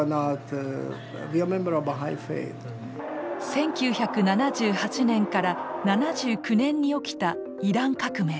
１９７８年から７９年に起きたイラン革命。